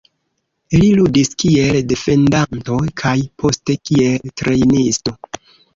Li ludis kiel defendanto kaj poste kiel trejnisto.